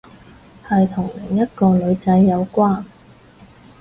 係同另一個女仔有關